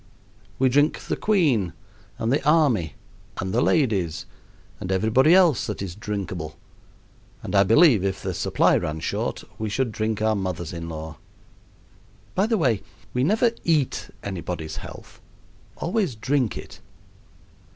We drink the queen, and the army, and the ladies, and everybody else that is drinkable; and I believe if the supply ran short we should drink our mothers in law. By the way, we never eat anybody's health, always drink it.